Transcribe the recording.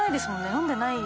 飲んでない。